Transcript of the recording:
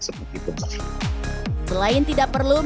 selain tidak perlu